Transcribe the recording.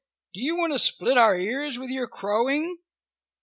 "Do you want to split our ears with your crowing?"